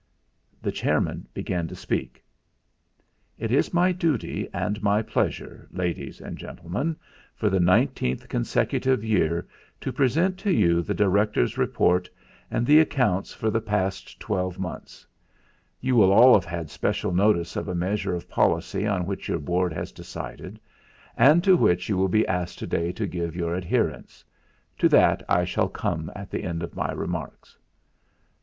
The chairman began to speak: "It is my duty and my pleasure,' ladies and gentlemen, for the nineteenth consecutive year to present to you the directors' report and the accounts for the past twelve months. You will all have had special notice of a measure of policy on which your Board has decided, and to which you will be asked to day to give your adherence to that I shall come at the end of my remarks...."